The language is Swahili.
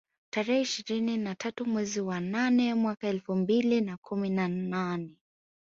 Tarehe ishirini na tatu mwezi wa nane mwaka elfu mbili na kumi na nane